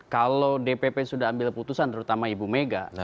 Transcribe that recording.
kalau dpp sudah ambil putusan terutama ibu mega